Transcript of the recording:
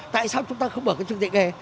tại sao chúng ta không mở cái chương trình nghề